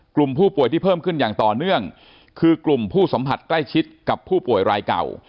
กลุ่มผู้ป่วยที่เพิ่มขึ้นอย่างต่อเนื่องคือกลุ่มผู้สัมผัสใกล้ชิดกับผู้ป่วยรายเก่า